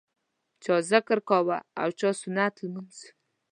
چا ذکر کاوه او چا سنت لمونځ.